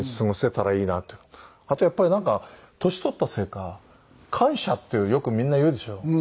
あとやっぱりなんか年取ったせいか感謝っていうよくみんな言うでしょ？